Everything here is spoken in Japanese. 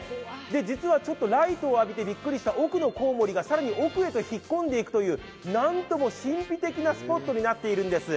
実はライトを浴びてびっくりした奥のこうもりが更に奥へと引っ込んでいくという神秘的なスポットなんです。